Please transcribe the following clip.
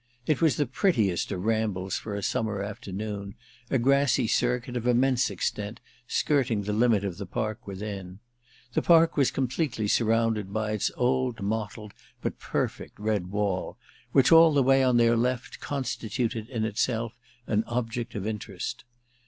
It was the prettiest of rambles for a summer afternoon—a grassy circuit, of immense extent, skirting the limit of the park within. The park was completely surrounded by its old mottled but perfect red wall, which, all the way on their left, constituted in itself an object of interest.